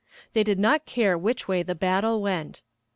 They did not care which way the battle went.